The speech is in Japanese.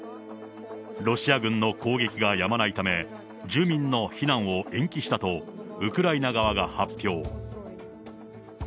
ロシア軍の攻撃がやまないため、住民の避難を延期したと、ウクライナ側が発表。